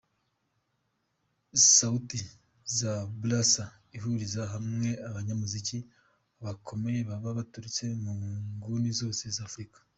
Sauti za Busara ihuriza hamwe abanyamuziki bakomeye baba baturutse mu nguni zose za Afurika.